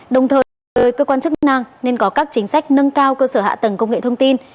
đồng thời với cơ quan chức năng nên có các chính sách nâng cao cơ sở hạ tầng công nghệ thông tin